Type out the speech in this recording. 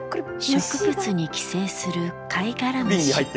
植物に寄生するカイガラムシ。